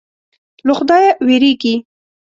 له خدایه وېرېږي.